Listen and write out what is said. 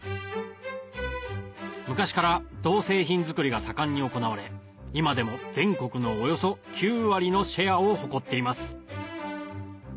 昔から銅製品作りが盛んに行われ今でも全国のおよそ９割のシェアを誇っています